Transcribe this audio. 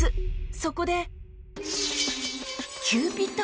そこで